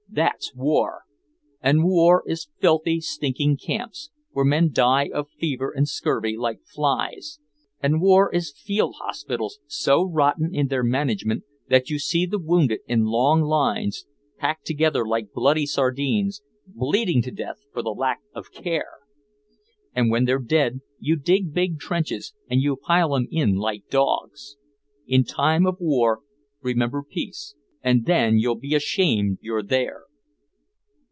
That's war! And war is filthy stinking camps where men die of fever and scurvy like flies and war is field hospitals so rotten in their management that you see the wounded in long lines packed together like bloody sardines bleeding to death for the lack of care! When they're dead you dig big trenches and you pile 'em in like dogs! In time of war remember peace and then you'll be ashamed you're there!"